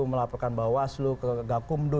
melaporkan bawaslu ke gakumdo